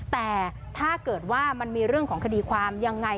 แต่ถ้าเกิดว่ามันมีเรื่องของคดีความยังไง